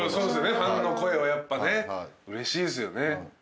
ファンの声はやっぱねうれしいですよね。